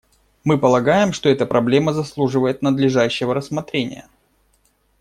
Мы полагаем, что эта проблема заслуживает надлежащего рассмотрения.